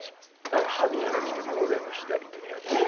だから歯磨きとかも全部左手でやるし。